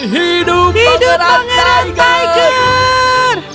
hidup pangeran tiger